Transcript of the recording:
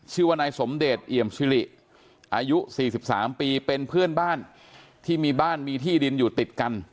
ชื่อว่านายสมเดชเอี่ยมซิริอายุ๔๓ปีเป็นเพื่อนบ้านที่มีบ้านมีที่ดินอยู่ติดกัน